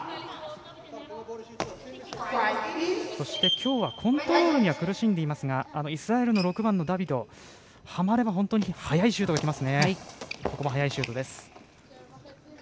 きょうはコントロールには苦しんでいますがイスラエルの６番のベンダビドはまれば本当に速いシュートがきます。